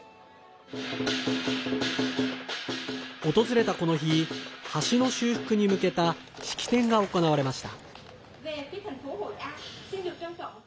訪れたこの日、橋の修復に向けた式典が行われました。